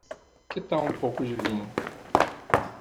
Que tal um pouco de vinho?